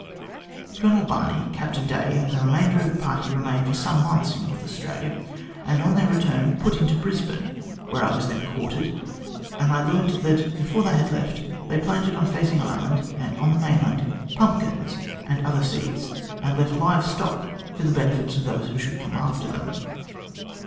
" Colonel Barney, Captain Day, and the remainder of the party remained for some months in North Australia, and on their return, put into Brisbane, where I was then quartered. And I learnt that before they left, they planted on Facing Island, and on the mainland, pumpkins and other seeds, and left live stock for the benefit of those who should come after them.